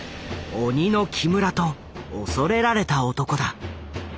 「鬼の木村」と恐れられた男だ。